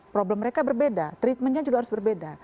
problem mereka berbeda treatmentnya juga harus berbeda